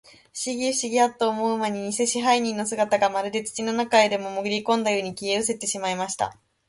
ふしぎ、ふしぎ、アッと思うまに、にせ支配人の姿が、まるで土の中へでも、もぐりこんだように、消えうせてしまいました。